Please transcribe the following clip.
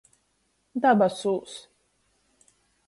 Dabasūs.